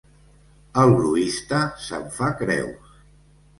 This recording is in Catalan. El gruista se'n fa creus.